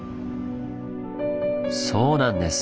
そうなんです。